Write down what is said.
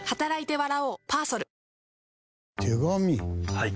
はい。